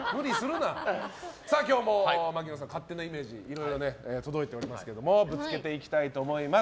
今日も槙野さんの勝手なイメージいろいろ届いておりますがぶつけていきたいと思います。